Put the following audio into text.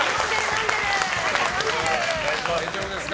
大丈夫ですか？